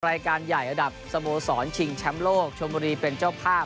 รายการใหญ่ระดับสโมสรชิงแชมป์โลกชนบุรีเป็นเจ้าภาพ